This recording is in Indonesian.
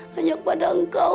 hanya kepada engkau